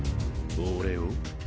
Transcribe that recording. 俺を？